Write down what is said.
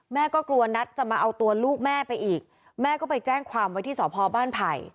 แม่ก็กลัวนัทจะมาเอาตัวลูกแม่ไปอีกแม่ก็ไปแจ้งความไว้ที่สพบ้านไผ่